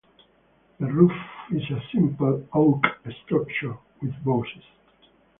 The roof is a simple oak structure with bosses.